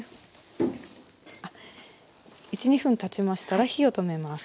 １２分たちましたら火を止めます。